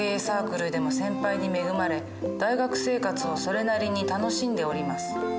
サークルでも先輩に恵まれ大学生活をそれなりに楽しんでおります。